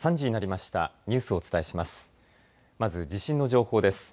まず地震の情報です。